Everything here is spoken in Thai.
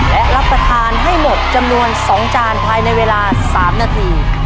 และรับประทานให้หมดจำนวน๒จานภายในเวลา๓นาที